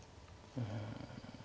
うん。